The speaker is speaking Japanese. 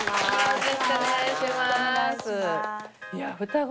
よろしくお願いします！